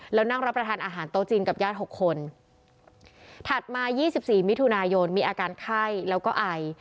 แล้วนั่งรับประทานอาหารโต๊ะจีนกับญาติหกคนถัดมายี่สิบสี่มิถุนายนมีอาการไข้แล้วก็ไอ